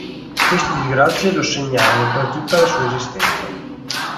Queste disgrazie lo segnarono per tutta la sua esistenza.